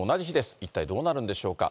一体どうなるんでしょうか。